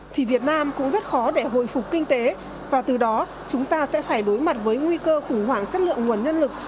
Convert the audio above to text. thì việt nam cũng rất khó để hồi phục kinh tế và từ đó chúng ta sẽ phải đối mặt với nguy cơ khủng hoảng chất lượng nguồn nhân lực